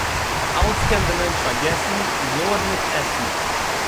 אַלץ קען דער מענטש פֿאַרגעסן נאָר ניט עסן.